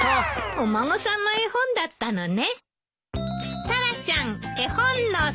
お孫さんの絵本だったのね。